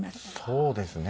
そうですね。